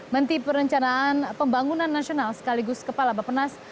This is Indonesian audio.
menteri perencanaan pembangunan nasional sekaligus kepala bapenas